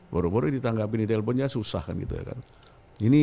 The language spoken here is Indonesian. baru baru ditanggapi di teleponnya susah kan gitu ya kan